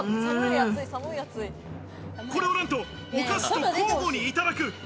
これを、なんとお菓子と交互にいただく。